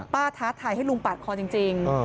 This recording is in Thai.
ท้าทายให้ลุงปาดคอจริง